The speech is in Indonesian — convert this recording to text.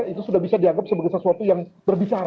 itu sudah bisa dianggap sebagai sesuatu yang berbicara